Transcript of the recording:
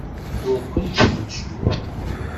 Ur kent-sxenciweɣ.